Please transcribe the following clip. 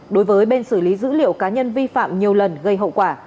đối với bên xử lý dữ liệu cá nhân vi phạm nhiều lần gây hậu quả